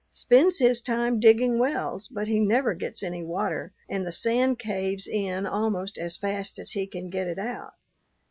Spends his time digging wells, but he never gets any water, and the sand caves in almost as fast as he can get it out."